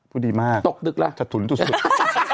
ผู้ดีมากจะถุนสุดตกดึกละ